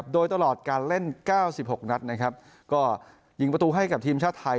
โดยตลอดการเล่น๙๖นัดนะครับก็ยิงประตูให้กับทีมชาติไทย